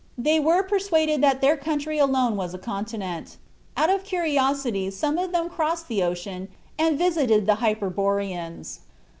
They were persuaded that their country alone was a continent. Out of curiosity some of them crossed the ocean and visited the Hyperboreans.